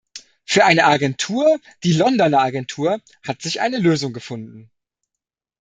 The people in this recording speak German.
Für eine Agentur, die Londoner Agentur, hat sich eine Lösung gefunden.